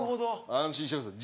安心してください。